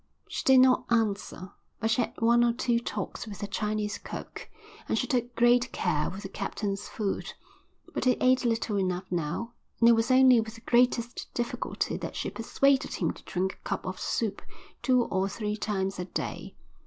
She did not answer, but she had one or two talks with the Chinese cook, and she took great care with the captain's food. But he ate little enough now, and it was only with the greatest difficulty that she persuaded him to drink a cup of soup two or three times a day.